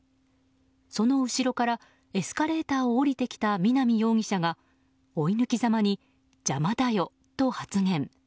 その後ろからエスカレーターを下りてきた南容疑者が追い抜きざまに邪魔だよと発言。